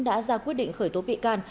đã ra quyết định khởi tố bị can